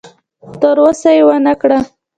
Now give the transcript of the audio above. تر اوسه یې ونه کړه.